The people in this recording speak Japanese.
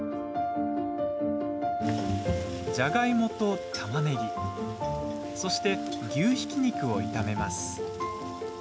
じゃがいもと、たまねぎそして牛ひき肉を炒めます。